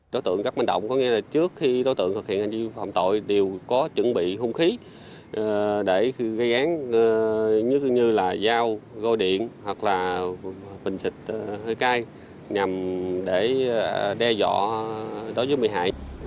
đối tượng các manh động có nghĩa là trước khi đối tượng thực hiện hành vi phòng tội đều có chuẩn bị hung khí để gây án như giao gô điện hoặc là bình xịt hơi cay nhằm để đe dọa